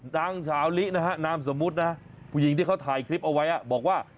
นางสาวลินะฮะนามสมมุตินะผู้หญิงที่เขาถ่ายคลิปเอาไว้บอกว่า